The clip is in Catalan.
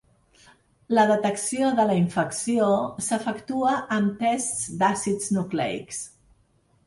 La detecció de la infecció s’efectua amb tests d’àcids nucleics.